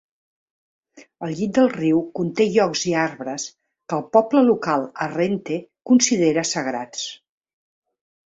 El llit del riu conté llocs i arbres que el poble local Arrente considera sagrats.